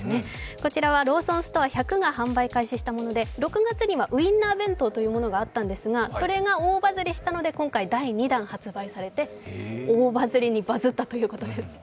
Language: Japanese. こちらはローソンストア１００が発売したもので、６月にはウインナー弁当というものがあったんですが、それが大バズりしたので今回第２弾が発売されて大バズりにバズったということです。